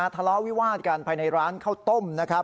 ทะเลาะวิวาดกันไปในร้านข้าวต้ม